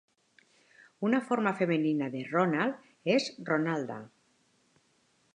Una forma femenina de "Ronald" és "Ronalda".